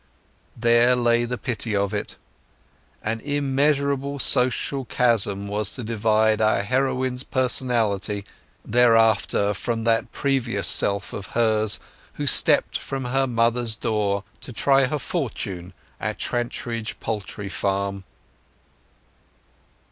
There lay the pity of it. An immeasurable social chasm was to divide our heroine's personality thereafter from that previous self of hers who stepped from her mother's door to try her fortune at Trantridge poultry farm.